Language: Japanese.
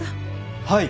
はい。